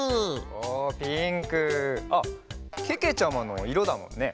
おおピンク！あっけけちゃまのいろだもんね。